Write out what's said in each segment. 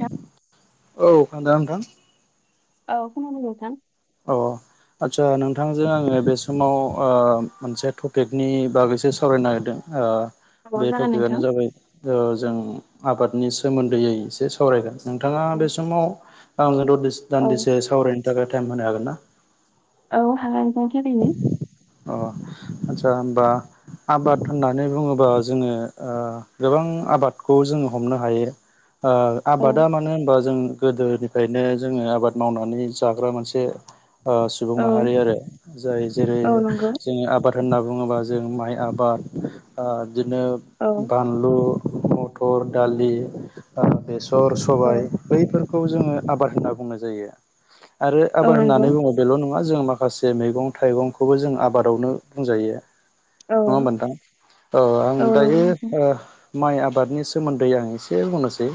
नोंथां औ खोनदोना नोंथां? औ खोनादो नोंथां। अ। आदसा नोंथांजों आंङो बे समाव ओ मोनसे टपिकनि बागैसो सावरायनो नागिरदों। ओ औ बे जागोन टपिकआनो नोंथां। जाबाय ओ जों आबादनि सोमोन्दैयै एसे सावरायगोन। नोंथाङा बे औ समाव आंजों ददि दान्दिसे सावरायनो थाखाय टाइम होनो हागोन ना? औ हागोन नोंथां थारैनो। अ। आदसा होमबा आबाद होननानै बुङोबा जोङो ओ गोबां आबादखौ जोंङो हमनो हायो ओ औ आबादा मानो होनबा जों गोदोनिफ्रायनो जोङो आबाद मावनानै जाग्रा मोनसे ओ सुबुं औ माहारि आरो। जाय जेरै औ नंगौ जोङो आबाद होनना बुङोबा जों माइ आबाद ओ बिदिनो औ बानलु, मथर, दालि, बेसर, सबाइ औ बैफोरखौ जोङो आबाद होनना बुंनाय जायो आरो औ आबाद नंगौ होननानै बुङो बेल' नङा जों माखासे जे मैगं थाइगंखौबो जों आबादावनो बुंजायो। औ नङा होमबा नोंथां औ आं नंगौ दायो नोंथां। ओ माइ आबादनि सोमोन्दै आं एसे बुंनोसै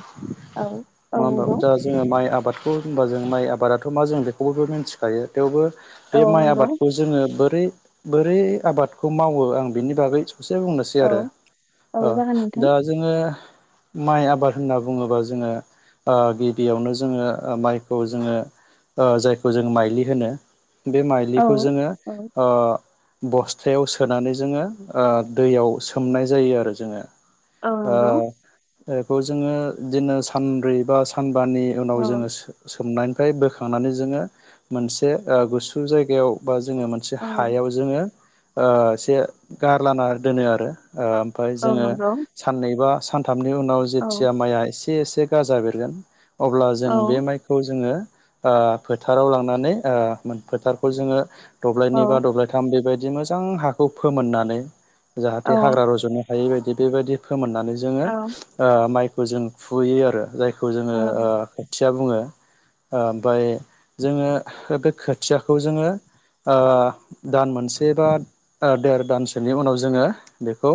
औ औ नङा होमबा? नंगौ जोङो माइ आबादखौ होनबा जों माइ आबादाथ' मा जों बेखौबो मिथिखायो थेवबो औ बे माइ नंगौ आबादखौ जोङो बोरै बोरै आबादखौ मावो आं बिनि बागै ससे बुंनोसै आरो औ औ जागोन नोंथां। दा जोङो माइ आबाद होनना बुङोब्ला जोङो ओ गिबियावनो जोङो माइखौ जोङो ओ जायखौ जोङो माइलि होनो। बे औ माइलिखौ जोङो औ ओ बस्थायाव सोनानै जोङो ओ दैयाव सोमनाय जायो आरो जोङो। औ नंगौ बेखौ जोङो बिदिनो सानब्रै बा सानबानि उनाव औ जोङो सोमनायनिफ्राय बोखांनानै जोङो मोनसे गुसु जायगायाव बा जोङो मोनसे औ हायाव ज जोङो ओ एसे गारला दोनो आरो ओमफ्राय औ जोङो नंगौ साननैबा सानथामनि उनाव औ जेथिया माइआ एसे एसे गाजा बेरगोन अब्ला औ जों बे माइखौ जोङो ओ फोथाराव लांनानै ओ फोथारखौ जोङो औ दब्लायनै बा दब्लायथाम बेबायदि मोजां हाखौ फोमोननानै औ जाहाथे हाग्रा रज'नो हायै बायदि बेबायदि फोमोननानै जोङो औ ओ माइखौ जों फुयो आरो जायखौ जोङो ओ थिया बुङो ओमफाय जोङो बे खोथियाखौ जोङो ओ दान मोनसे बा देर दानसोनि उनाव जोङो बेखौ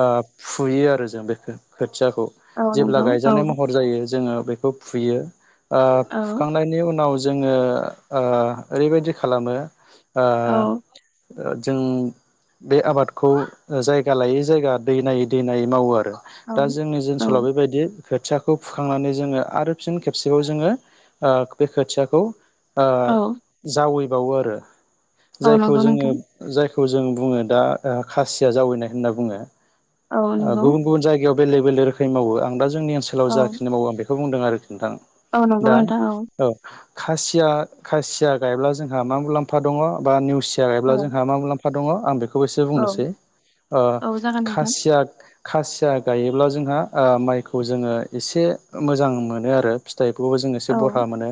ओ फुयो आरो जों बेखौ खो-खोथियाखौ। औ जेब्ला नंगौ औ गायजानाय महर जायो जोङो बेखौ फुयो औ फुखां नायनि उनाव जोङो ओ ओरैबायदि खालामो ओ औ ओ जों बे आबादखौ जायगा लायै जायगा दै नायै दै नायै मावो आरो। दा जोंनि औ ओनसोलाव बेबायदि खोथियाखौ फुखांनानै जोङो आरो फिन खेबसेबाव जोङो बे खोथियाखौ औ जावैबावो आरो औ जायखौ नंगौ जोङो नोंथां जायखौ जों बुङो दा खासिया जावैनाय होनना बुङो औ नंगौ गुबुन गुबुन जायगायाव बेले बेले रोखोम मावो आं द जोंनिओनसाव औ जाखिनि मावो आं बे बेखौ बुंदों आरोखि नोंथां औ दा नगौघन्था औ औ खासिया खासिया गायब्ला जोंहा मा मुलाम्फा दङ बा नेवसि खासिया औ गायब्ला जोंहा मा मुलाम्फा दङ आं बेखौबो एसे औ बुंनोसै औ जागोन नोंथां खासिया खासिया गायोब्ला जोंहा माइखौ जोङो एसे मोजां मोनो आरो फिथाइबो जो एसे औ बरहा मोनो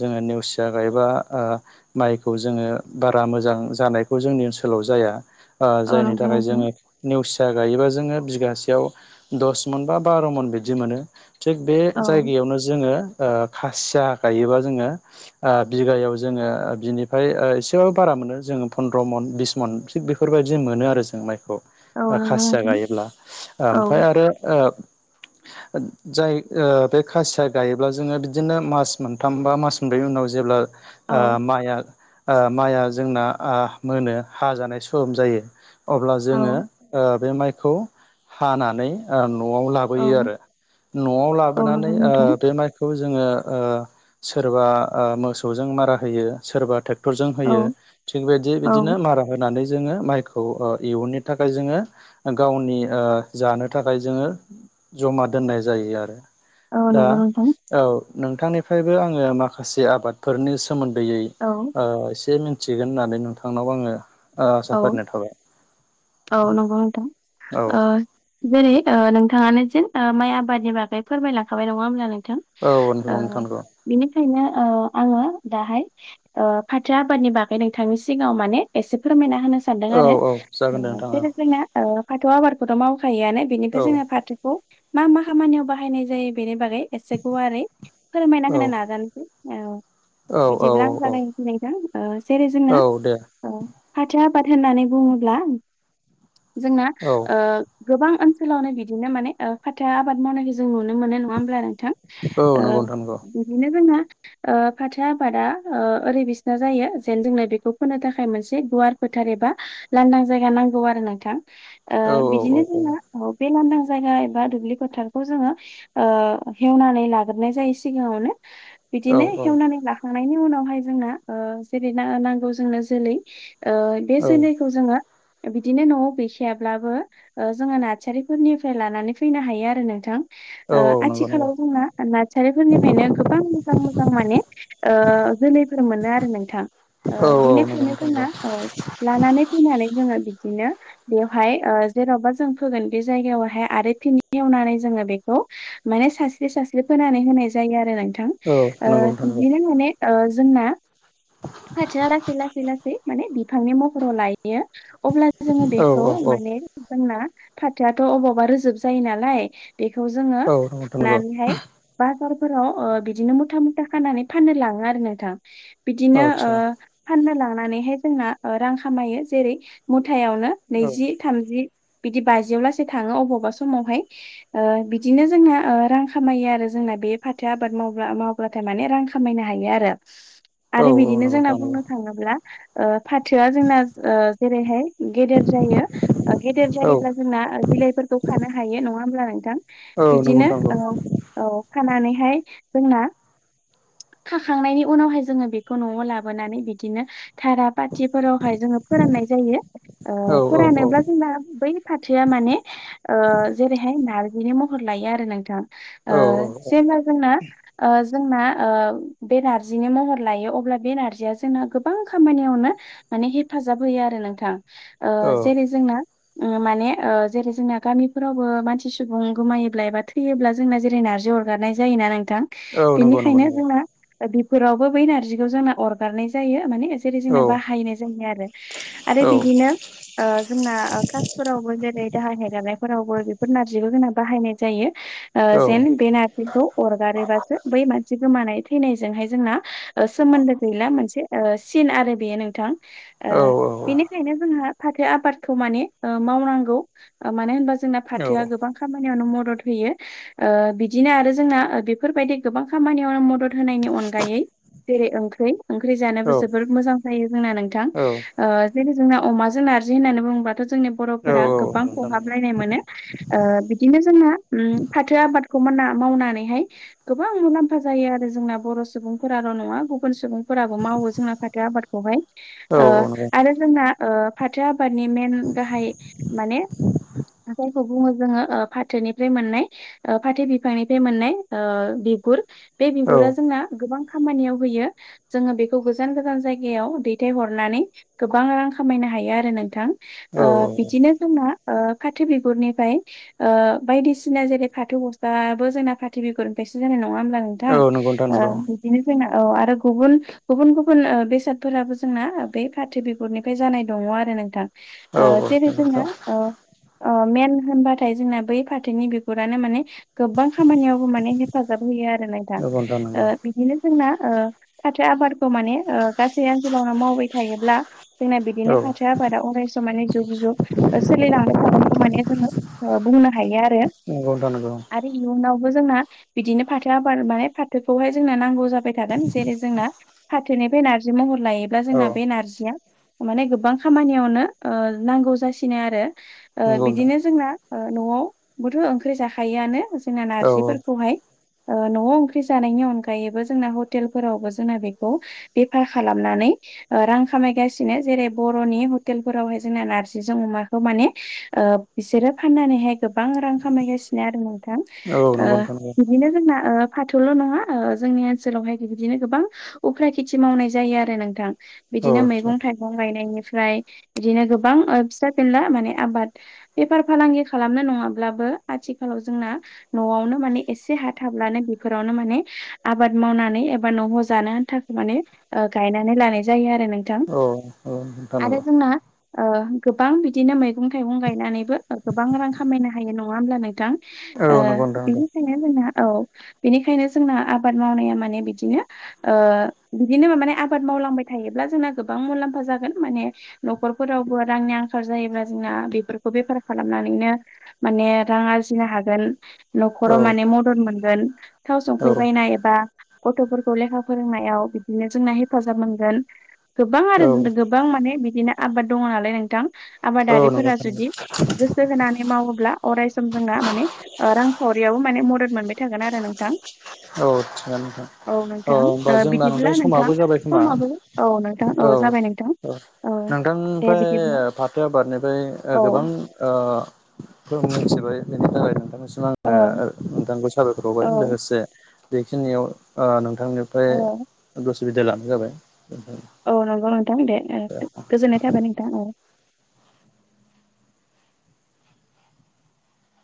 जोङो नेवसिया थाखायबा माइखौ जोङो बारा मोजां जानायखौ जोंनि ओनसोलाव जाया औ जायनि नंगौ थाखाय नोंथां जोङो नेवसिया गायोबा जोङो बिगासेयाव दस मन बा बार' मन बिदि मोनो थिग बे औ जायगायावनो जोङो खासिया गायोबा जोङो बिघायाव जोङो बिनिफ्राय एसेबाबो बारा मोनो जोङो फन्द्र' मन बिस मन थि बेफोरबायाददि मोनो आरो जों माइखौ औ नंगौ खासिया नोंथां गायोब्ला औ ओमफ्राय आरो आ जाय बे खासिया गायोब्ला जोङो बिदिनो मास मोनथाम बा मास मोनब्रै उनाव ज जेब्ला औ माइआ माइआ जोंना मोनो ह जानाय सम जायो अब्ला औ जोङो बे माइखौ हानानै न'आव लाबो औ न' ला औ नंगौ नोंथां म खौ जोङो सोरबा मोसौजों मारा होयो सोरबा ट्रे क्टर जों होयो औ थिगबायदि औ बिदिनो मारा होनानै जोङो माइखौ इहुननो थाखाय जोङो गावनि जानो थाखाय जोङो जमा दोननाय जायो आरो औ दा नंगौ नोंथां औ नोंथांनिफ्रायबो आङो माखासे आबादफोरनि सोमोन्दैयै औ एसे मिथिगोन होननानै नोंथांनाव आङो आसा औ फारिनाय थाबाय औ नंगौ नोंथां औ जेरै नोंथाङानो जेन माइ आबादनि बागै फोरमाय लाखाबाय नङा होमब्ला नोंथ औ नंगौ नोंथां नंगौ बिनिखायनो आङो दाहाय। फाथो आबादनि बागै नोंथांनि सिगाङाव माने एसे फोरमायना होनो सान‌। सन्दङ औ औ जागोन दे नोंथां आरो। फाथो आबादखौथ' मावखायोआनो औ बेनिफ्राय जोंङो फाथोखौ। मा मा खामानियाव बाहायनाय जायो बेनि बागै एसे गुवारै फोरमायना औ होनो नाजानोसै। औ। औ औ औ औ। नोथां जेरै औ जोंना दे फाथो आबाद होननानै बुङोब्ला। जोंना औ ओ। गोबां ओनसोलावनो बिदिनो माने फाथोा आबाद मावनायखौ जों नुनो मोनो नङा होमब्लानोथां। औ नंगौ नोंथां नंगौ बिदिनो जोंहा। फाथो आबादा ओरै बिसिना जायो जेन जोंनो बेखौ फोनो थाखाय मोनसे। एसे गुवार फोथार एबा लांदां जायगा नांगौ आरो नोंथां औ औ औ बिदिनो जोंहा। औ बे लांदां जायगा एबा दुब्लि फोथारखौ जोंङो। हेवनानै लाग्राय जायो सिगाङावनो। औ बिदिनो हेवनानै लाखांनायनि उनावहाय जोंना जेरै नांगौ जोंनो जोलै। बे जैखौ जोंङो बिदिनो न'आव गैखायाब्लाबो। जोंङो नासारिफोरनिफ्राय लानानै फैनो हायो आरो नोंथां। औ नंगौ नंगौ आथिखालाव जोंना नासारिफोरनिफ्रायनो गोबां मोजां मोजां माने। जोलैफोर मोनो आरो नोंथां। ओ औ औ नोंगोव बिनिखायनो नोंथां। जोंना नंगौ औ लानानै फैनानै जोंङो बिदिनो। बेवहाय जेनावबा जों फोगोन बे जायगायावहाय आरो थिनि एवनानै जोंङो बेखौ। माने सास्रि सास्रि फोनानै होनाय जायो आरो नोथां। औ नोथां नंगौ ओ नोंथां नंगौ बिदिनो माने जोंना फालोआ लासै लासै लासै। माने बिफांनि महराव लायो अब्ला जोंङो औ बेखौ औ औ माने जोंना फाथोआथ' अबावबा रोजोब जायो नालाय। बेखौ जोंङो औ नंगौ नोंथां नंगौ फुनानैहाय। बाजारफोराव बिदिनो मुथा मुथा खानानै फाननो लाङो आरो नोंथां। बिदिनो आदसा फाननो लांनानैहाय जोंना रां खामायो जेरै मुथायावनो। औ नैजि थामजि बिदि बाजियाव लासै थाङो अबावबा समावहाय ओ बिदिनो जोंना रां खामायो आरो जोंना बे फाथो आबाद मावब्ला माव- अब्लाथाय माने रां खामायनो हायो आरो। [inaudible] आरो औ बिदिनो नंगौ जोंना नोंथां नंगौ बुंनो थाङोब्ला फाथोआ जोंना जेरैहाय। गेदेर जायो गेदेर औ जायोब्ला जोंना बिलाइफोरखौ खानो हायो नङा होमब्ला नोंथां। औ नंगौ बिदिनो नोंथां नंगौ औ औ खानानैहाय जोंना। खाखांनायनि उनावहाय जोंङो बेखौ न'आव लाबोनानै बिदिनो। थारा पाथिफोरावहाय जोंङो फोराननाय जायो औ औ फोरानोब्ला जोंना बै। फाथोआ माने जेरैहाय नारजिनि महर लायो आरो नोंथां। ओ जे जेनेबाजोंना। जोंना बे नारजिनि महर लायो अब्ला बे नारजिया जोंना गोबां। खामानियावनो माने हेफाजाब होयो आरो नोंथां औ जेरै जोंना। माने जेरै जोंना गामिफोरावबो मानसि सुबुं गोमायोब्ला एबा थैयोब्ला जोंना जेरै नारजि अ। जानाय जायोना नोंथां। औ नंगौ नंगौ बेनिखायनो नंगौ जोंना बिफोरावबो बै नारजिखौ जोंना अरगारनाय जायो माने। जेरै औ जोंना बाहायनाय जोंनाय आरो आरो औ बिदिनो। ओ जोंना क्लासफोरावबो जेरै दाहाय लानायफोरावबो बेफोर नारजिखै बाहायनाय जायो। औ जेन बे नारजिखौ अरगारोबासो बै मानसि गोमानाय थैनायजोंहाय जोंना। सोमोन्दो गैला मोनसे सिन आरो बेयो नोंथां औ बेनि। बेखायनो जोंहा फाथो आबादखौ माने मावनांगौ मानो होनबा जोंना औ फाथोआ गोबां। खामानियावनो मदद होयो बिदिनो आरो जोंना बेफोरबायदि गोबां खामानियावनो मदद। होनायनि अनगायै जेरै ओंख्रि ओंख्रि जानोबो औ जबोद मोजां जायो जोंना नोंथां। ओ जेरै जोंना अमाजों नारजि होननानै बुङोबाथ' जोंनि बर'फोरा गोबां नोंथां खहाबलायनाय मोनो। ओ बिदिनो जोंना फाथो आबादखौ मोना मावनानैहाय- गोबां मुलाम्फा जायो आरो जोंना बर' सुबुंफोराल' नङा गुबुन सुबुंफोराबो मावो जोंना- फाथो आबादखौहाय औ ओ नंगौ औ आरो जोंना- ओ फाथो आबादनि मेन गाहाय माने जाय- बुङो जोङो फाथोनिफ्राय मोननाय- ओ फाथो बिफांनिफ्राय मोननाय ओ बिगुर बे औ बिगुरा जोंना गोबां खामानियाव होयो जोङो बेखौ- गोजान गोजान जायगायाव दैथाय हरनानै गोबां रां खामायनो हायो आरो नोंथां। ओ औ बिदिनो जोंना ओ फाथो बिगुरनिफ्राय- ओ बायदिसिना जेरै फाथो बस्थाबो जोंना फाथो बिगरनिफ्रायसो जानाय नङा होमब्ला नों- औ थां नंगौ नोंथां नंगौ ओ बिदिनो जोंना औ आरो गुबुन गुबुन गुबुन उन बेसादफोराबो जोंना बे फाथो बिगुरनिफ्राय जानाय दङ आरो नोंथां औ ओ जेरै नोंथां नंगौ जोंनो ओ अ मेन होनबाथाय जोंना बै फाथोनि बिगुरानो माने- गोबां खामानियावबो माने हेफाजाब होयो आरो नों- थां नोंथां नंगौ ओ बिदिनो जोंना ओ फाथो आबादखौ माने- ओ गासै ओनसोलावनो मावबाय थायोब्ला जोंना औ बिदिनो फाथो आबादा अरायसम माने जुग जुग- सोलिलांबाय थागोनखौ माने जोङो बुंनो हायो आरो। औ नोंथां नंगौ। आरो इयुनावबो जोंना बिदिनो फाथो आबाद माने फाथोखौहाय जों नांगौ जाबा- बाय थागोन जेरै जोंना फाथोनिफ्राय नारजि महर लायोब्ला औ जोंना बे नारजिया माने गोबां खामानियावनो ओ नांगौ जासिनो आरो नंगौ बिदिनो नोंथां जोंना न'आवबोथ' ओंख्रि जाखायोआनो जोंना औ नारजिफोरखौहाय- ओ न'आव ओंख्रि जानायनि अनगायैबो जोंना हटेलफोरावबो जोंना बेखौ- बेफार खालामनानै- रां खामायगासिनो जेरै बर'नि हटेलफोरावहाय जोंना नारजिजों अमाखौ माने ओ बिसोरो फाननानैहाय गोबां रां खामायगासिनो आरो नोंथां औ नंगौ नोंथां नंगौ बिदिनो जोंना फाथौल' नङा जोंनि ओनसोलावहाय बिदिनो गोबां उख खेथि मावनाय जायो आरो नोंथां औ बिदिनो आदसा मैगं थाइ- मैगं गायनायनिफ्राय बिदिनो गोबां फिसा फिनला माने आबाद- बेफार फालांगि खालामनो नङाब्लाबो आथिखालाव जोंना- न'आवनो माने एसे हा थाब्लानो बेफोरावनो माने- आबाद मावनानै एबा न'आव जानो आनथाखो माने गायनानै लानाय जायो आरो नोंथां। औ औ नोंथां थां आरो नंगौ जोंना- ओ गोबां बिदिनो मैगं थाइगं गायनानैबो गोबां रां खामायनो हायो नङा होमब्ला नोंथां। औ ओ नंगौ नोंथां नंगौ बिदि - बेनिखायनो जोंना औ बेनिखायनो जोंना आबाद मावनाया माने बिदिनो ओ - बिदिनो माने आबाद मावलांबाय थायोब्ला जोंना गोबां मुलाम्फा जागोन माने- न'खरफोरावबो रांनि आंखाल जायोब्ला जोंना बेफोरखौ बेफार खालामनानैनो- माने रां आरजिनो हागोन। न'खराव औ माने मदद मोनगोन थाव औ सुंख्रि बायनाय एबा- गथ'फोरखौ लेखा फोरोंनायाव बिदिनो जोंना हेफाजाब मोनगोन। गोबां आरो गोबां माने बिदिनो आबाद दङ नालाय नोंथां औ नंगौ आबादारिफोरा नोंथां नंगौ जुदि- गोसो होनानै मावोब्ला अराय सम जोंना माने- रांखावरियावबो माने मदद मोनबाय थागोन आरो नोंथां। औ थिगानो नोंथां नोंथां औ होमबा ओ जोङो- दा नोंथां बिदिब्ला समाबो जाबाय खोमा समाबो औ नोंथां औ जाबाय नोंथां औ औ दे बिदिब्ला नोंथांनिफ्राय फाथो आबादनिफ्राय औ गोबां- फोर मिथिबाय बेनि थाखाय नोंथां मोन औ आङो दांगौ साबायखर हावबाय औ लोगोसे बेखिनियाव नोंथांनिफ्राय औ उसुबिदा लानाय जाबायथां औ नंगौ नोंथां दे गोजोननाय थाबाय नोंथां